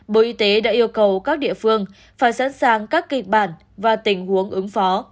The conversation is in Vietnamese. bộ y tế đã yêu cầu các địa phương phải sẵn sàng các kịch bản và tình huống ứng phó